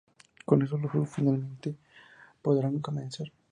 Con eso, los juegos finalmente podrán comenzar.